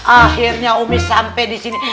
akhirnya umi sampai disini